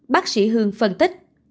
bác sĩ hương phân tích